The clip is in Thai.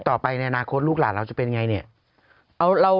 ต่อไปในอนาคตลูกหลานเราจะเป็นไงเนี่ย